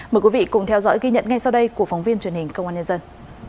mời quý vị cùng theo dõi ghi nhận ngay sau đây của phóng viên truyền hình công an nhân dân